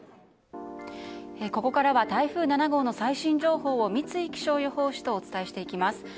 ここからは台風７号の最新情報を三井気象予報士とお伝えしていきます。